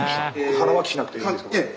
腹巻しなくていいんですか？